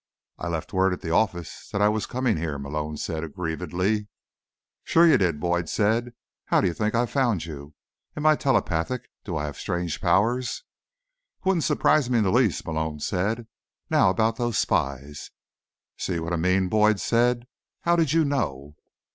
"I left word at the office that I was coming here," Malone said aggrievedly. "Sure you did," Boyd said. "How do you think I found you? Am I telepathic? Do I have strange powers?" "Wouldn't surprise me in the least," Malone said. "Now, about those spies—" "See what I mean?" Boyd said. "How did you know?"